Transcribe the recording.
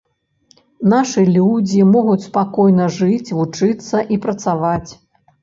Нашы людзі могуць спакойна жыць, вучыцца і працаваць.